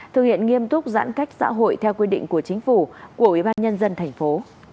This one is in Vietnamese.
thực hiện nghiêm túc giãn cách xã hội theo quy định của chính phủ của ủy ban nhân dân thành phố